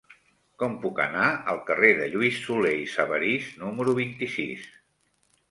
Com puc anar al carrer de Lluís Solé i Sabarís número vint-i-sis?